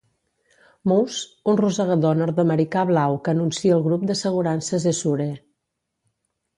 Mouse, un rosegador nord-americà blau que anuncia el grup d'assegurances Esure.